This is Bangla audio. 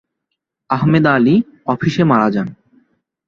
আহমেদ আলী অফিসে মারা যান।